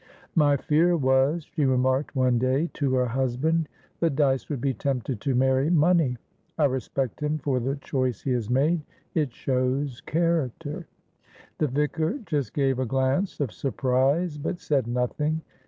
"My fear was," she remarked one day to her husband, "that Dyce would be tempted to marry money. I respect him for the choice he has made; it shows character." The vicar just gave a glance of surprise, but said nothing.